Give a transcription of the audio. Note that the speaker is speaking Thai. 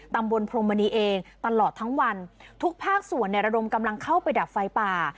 พรมมณีเองตลอดทั้งวันทุกภาคส่วนเนี่ยระดมกำลังเข้าไปดับไฟป่า